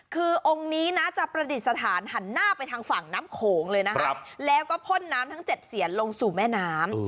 คือองค์นี้นะจะประดิษฐานหันหน้าไปทางฝั่งน้ำโขงเลยนะครับแล้วก็พ่นน้ำทั้ง๗เสียนลงสู่แม่น้ำ